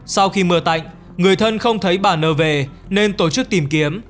sau khi mưa tạnh người thân không thấy bà n về nên tổ chức tìm kiếm